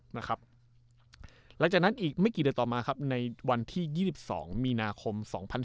หลังจากนั้นอีกไม่กี่เดือนต่อมาครับในวันที่๒๒มีนาคม๒๕๖๒